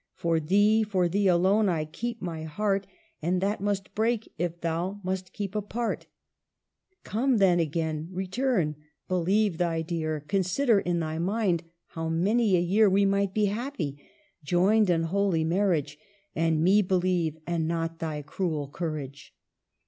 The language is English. For thee, for thee alone, I keep my heart, And that must break if thou must keep apart. Come, then, again return; believe thy dear ; THE ''heptameron:' 233 Consider in thy mind how many a year We might be happy, joined in holy marriage ; And me beheve, and not thy cruel courage.